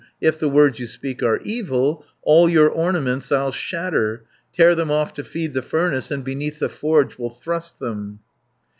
If the words you speak are evil, All your ornaments I'll shatter, Tear them off to feed the furnace, And beneath the forge will thrust them."